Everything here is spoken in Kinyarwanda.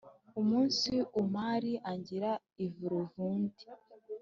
Umunsi umari angira ivurivundi